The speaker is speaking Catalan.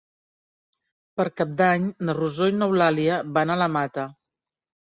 Per Cap d'Any na Rosó i n'Eulàlia van a la Mata.